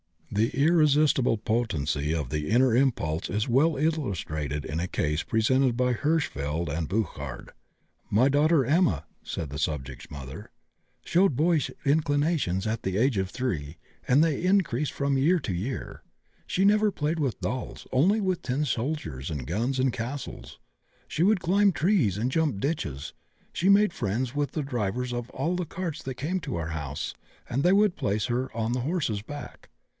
The irresistible potency of the inner impulse is well illustrated in a case presented by Hirschfeld and Burchard: "My daughter Erna," said the subject's mother, "showed boyish inclinations at the age of 3, and they increased from year to year. She never played with dolls, only with tin soldiers, guns, and castles. She would climb trees and jump ditches; she made friends with the drivers of all the carts that came to our house and they would place her on the horse's back.